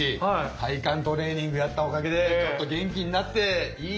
体幹トレーニングやったおかげでちょっと元気になっていい感じになったんじゃないの？